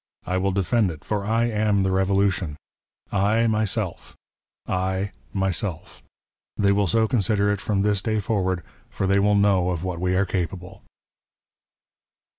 I will defend it, for I am the Revolution. I, myself — I, myself. They will so consider it from this day forward, for they will know of what we are capable."